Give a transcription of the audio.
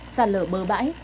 sàn lở bờ bãi